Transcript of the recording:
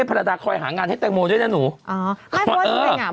ภรรดาคอยหางานเทศแตงโมเย้นเนี่ยหนูอ๋อฮะไม่เพราะจริงอ่ะ